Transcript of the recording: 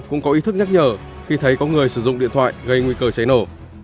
cũng có ý thức nhắc nhở khi thấy có người sử dụng điện thoại gây nguy cơ cháy nổ